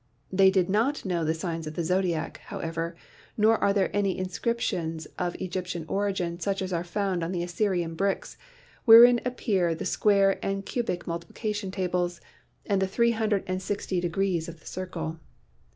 They did not know the signs of the zodiac, however, nor are there any inscrip tions of Egyptian origin such as are found on the Assyrian bricks, wherein appear the square and cubic multiplication tables and the three hundred and sixty degrees of the Fig. i — Great Pyramid, Showing 'Telescopic' Passages. circle.